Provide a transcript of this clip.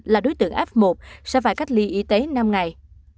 là đối tượng f một sẽ phải cách ly y tế năm ngày